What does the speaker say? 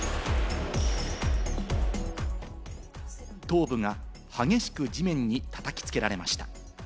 頭部が激しく地面に叩きつけられました。